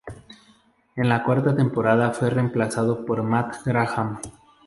En la cuarta temporada fue reemplazado por Matt Graham